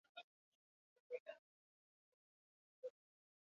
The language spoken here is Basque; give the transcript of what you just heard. Antza, ezbeharra berogailu bateko galdara batean aireztapen txarra izateagatik gertatu da.